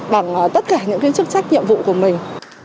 bằng tất cả những chức trách nhiệm vụ của mình